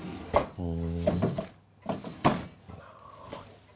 うん？